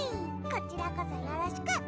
こちらこそよろしく！